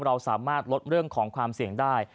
เราสามารถลดเรื่องของความเสี่ยงได้